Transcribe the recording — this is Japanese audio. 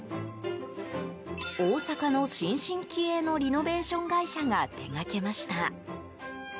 大阪の、新進気鋭のリノベーション会社が手がけました。